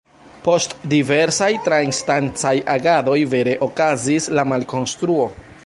Post diversaj tra-instancaj agadoj vere okazis la malkonstruo.